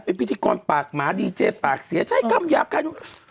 เป็นพิธีกรปากหมาดีเจปากเสียใช้คำหยาบใคร